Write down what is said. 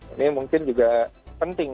ini mungkin juga penting